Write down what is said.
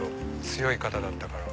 強い方だったから。